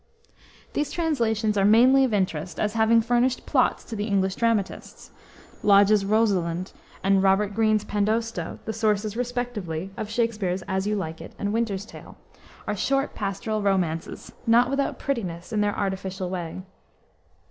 These translations are mainly of interest, as having furnished plots to the English dramatists. Lodge's Rosalind and Robert Greene's Pandosto, the sources respectively of Shakspere's As You Like It and Winter's Tale, are short pastoral romances, not without prettiness in their artificial way.